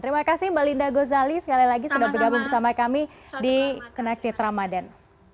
terima kasih mbak linda gozali sekali lagi sudah bergabung bersama kami di connected ramadan